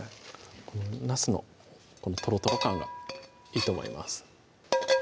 このなすのトロトロ感がいいと思います